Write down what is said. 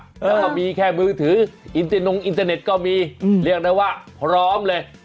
แล้วก็มีแค่มือถืออินเตอร์นงอินเทอร์เน็ตก็มีเรียกได้ว่าพร้อมเลย